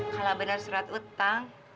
kalau benar surat utang